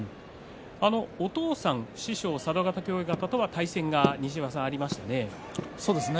お父さん師匠佐渡ヶ嶽親方とは対戦がそうですね